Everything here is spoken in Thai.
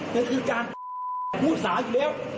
แต่คือการภูตสาห์อยู่แล้ว